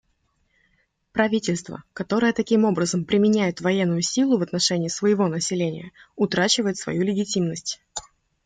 Правительство, которое таким образом применяет военную силу в отношении своего населения, утрачивает свою легитимность.